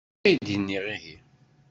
D acu ay d-nniɣ, ihi?